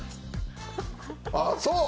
あっそう？